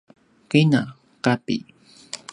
kina: kapi